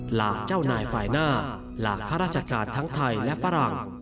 หลากเจ้านายฝ่ายหน้าหลากข้าราชการทั้งไทยและฝรั่ง